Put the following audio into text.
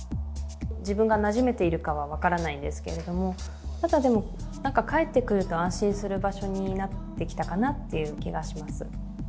自分がなじめているかは分からないんですけれども、ただでも、帰ってくると安心する場所になってきたかなっていう気がします。